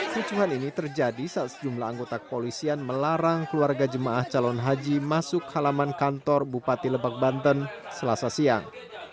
sucuhan ini terjadi saat sejumlah anggota kepolisian melarang keluarga jemaah calon haji masuk halaman kantor bupati lebak banten selasa siang